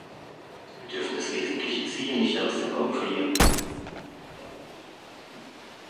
Wir dürfen das wesentliche Ziel nicht aus den Augen verlieren.